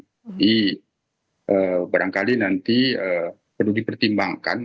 jadi barangkali nanti perlu dipertimbangkan